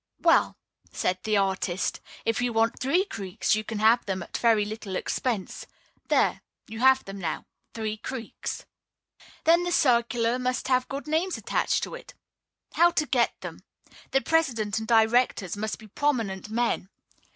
"Well," said the artist, "if you want three creeks you can have them at very little expense. There you have them now three creeks!" Then the circular must have good names attached to it. How to get them? The president and directors must be prominent men.